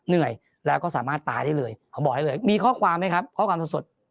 เหนื่อยแล้วก็สามารถตายได้เลยเขาบอกให้เลยมีข้อความไหมครับข้อความสด